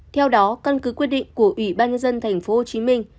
theo đó căn cứ quyết định của ủy ban nhân dân thành phố hồ chí minh